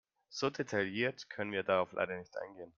So detailliert können wir darauf leider nicht eingehen.